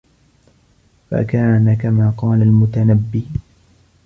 فَكَانَ كَمَا قَالَ الْمُتَنَبِّي